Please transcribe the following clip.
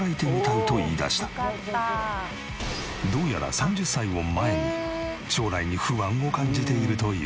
どうやら３０歳を前に将来に不安を感じているという。